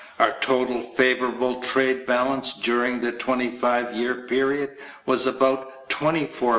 Our total favorable trade balance during the twenty five year period was about $24,000,000,000.